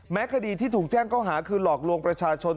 คดีที่ถูกแจ้งเข้าหาคือหลอกลวงประชาชน